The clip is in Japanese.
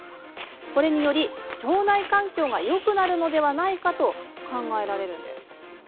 これによって腸内環境がよくなるのではないかと考えられるんです。